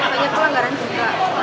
soalnya kan banyak pelanggaran juga